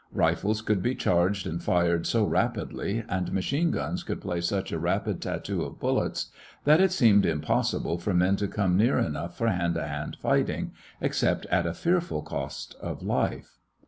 Rifles could be charged and fired so rapidly and machine guns could play such a rapid tattoo of bullets, that it seemed impossible for men to come near enough for hand to hand fighting, except at a fearful cost of life.